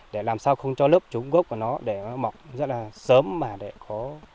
để làm sao không cho lớp trúng gốc của nó để nó mọc rất là sớm mà để có